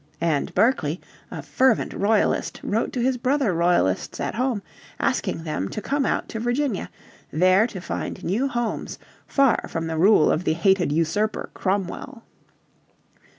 And Berkeley, a fervent Royalist, wrote to his brother Royalists at home asking them to come out to Virginia, there to find new homes far from the rule of the hated "usurper" Cromwell.